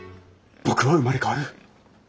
僕は生まれ変わる。